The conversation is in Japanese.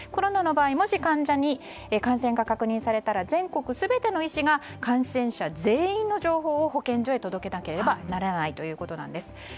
コロナの場合、もし患者に感染が確認されたら全国全ての医師が感染者全員の情報を保健所に届けなければならないということです。